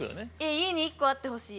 家に１コあってほしい。